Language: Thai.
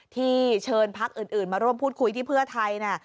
ที่เชิญพักอื่นมาร่วมพูดคุยที่เพื่อไทย